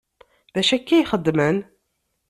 D acu akka ay xeddmen?